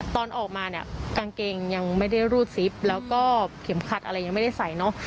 ตอนออกมาเนี่ยกางเกงยังไม่ได้รูดซิปแล้วก็เข็มขัดอะไรยังไม่ได้ใส่เนอะ